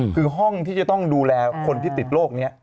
คือห้องที่จะต้องดูแลคนที่ติดโรคนี้